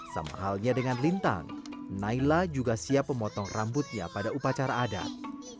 sama halnya dengan lintang naila juga siap memotong rambutnya pada upacara adat